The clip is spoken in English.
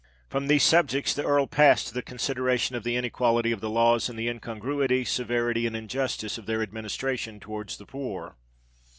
From these subjects the Earl passed to the consideration of the inequality of the laws, and the incongruity, severity, and injustice of their administration towards the poor.